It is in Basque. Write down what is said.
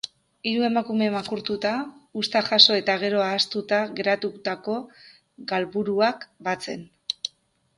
Hiru emakume makurtuta, uzta jaso eta gero ahaztuta geratutako galburuak batzen.